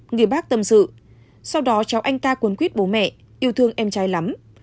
người bác tâm sự sau đó cháu anh ta cuốn quyết bố mẹ yêu thương em trai lắm